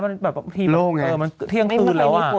มันเที่ยงคืนแล้วอ่ะ